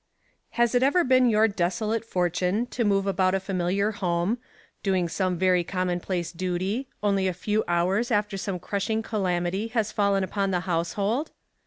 AS it ever been your desolate fortune to move about a familiar home, doing some very commonplace duty, only a few hours after some crushing calamity has fallen upon the household